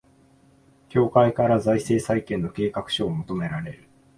協会から財政再建の計画書を求められる